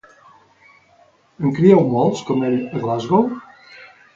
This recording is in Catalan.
En crieu molts com ell a Glasgow?